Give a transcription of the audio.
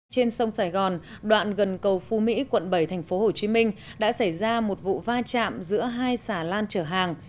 trên sông sài gòn đoạn gần cầu phu mỹ quận bảy tp hcm đã xảy ra một vụ va chạm giữa hai xà lan chở hàng